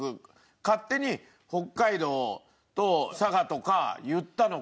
勝手に北海道と佐賀とか言ったのか。